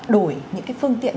đổi những cái phương tiện